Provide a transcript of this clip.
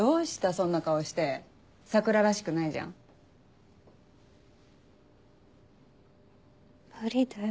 そんな顔して桜らしくないじゃん無理だよ